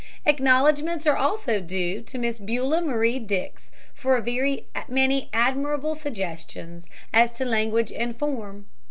Acknowledgments are also due to Miss Beulah Marie Dix for very many admirable suggestions as to language and form.